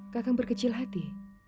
kakang berkecil hati